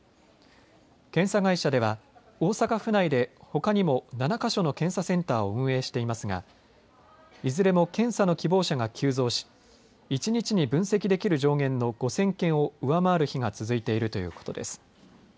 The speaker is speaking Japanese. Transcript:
検査会社では大阪府内でほかにも７か所の検査センターを運営していますがいずれも検査の希望者が急増し一日に分析できる上限の５０００件を上回る日が続いているということです。